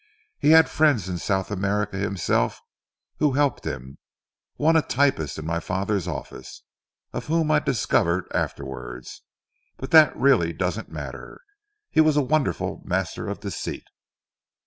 He had friends in South America himself who helped him one a typist in my father's office, of whom I discovered afterwards but that really doesn't matter. He was a wonderful master of deceit."